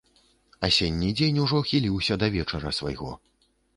Асенні дзень ужо хіліўся да вечара свайго.